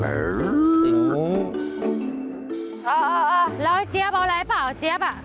เออแล้วเจี๊ยบเอาอะไรเปล่าเจี๊ยบอ่ะ